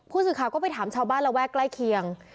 ผู้สื่อข่าวก็ไปถามชาวบ้านระแวกใกล้เคียง